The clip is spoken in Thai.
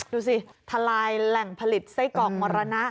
ดูสิทลายแหล่งผลิตไส้กรอกมรณะ